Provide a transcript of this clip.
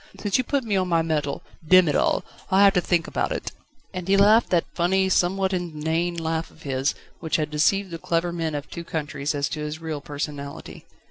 since you put me on my mettle Demm it all! I'll have to think about it!" And he laughed that funny, somewhat inane laugh of his, which had deceived the clever men of two countries as to his real personality.